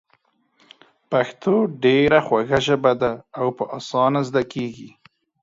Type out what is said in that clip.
پښتو ډېره خوږه ژبه ده او په اسانه زده کېږي.